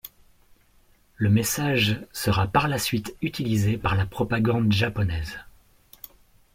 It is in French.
Le message sera par la suite utilisé par la propagande japonaise.